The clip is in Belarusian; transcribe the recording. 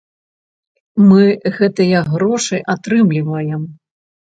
Мы гэтыя грошы атрымліваем.